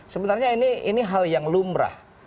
sebenarnya ini hal yang lumrah